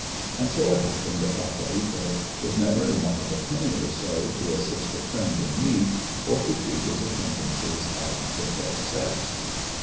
And so it happened that Pacorrito was never in want of a penny or so to assist a friend in need, or to treat his acquaintances of the fair sex.